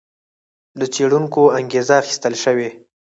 له څېړونکو انګېزه اخیستل شوې.